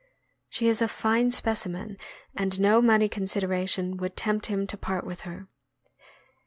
She is a fine specimen, and no money consideration would tempt him to part with her.